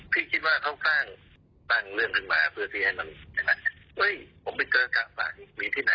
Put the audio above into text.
พี่คิดว่าเขาตั้งเรื่องขึ้นมามาเพื่อกะต่อปลา